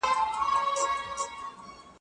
جامد تعریفونه ټولنه نه بدلوي.